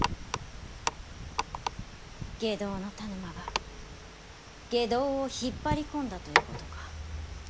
外道の田沼が外道を引っ張り込んだということか。